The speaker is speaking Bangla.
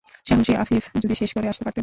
‘সাহসী’ আফিফ যদি শেষ করে আসতে পারতেন!